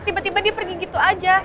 tiba tiba dia pergi gitu aja